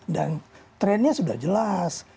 dan trennya sudah jelas